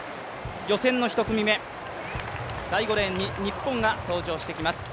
予選の１組目、第５レーンに日本が登場してきます。